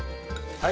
はい。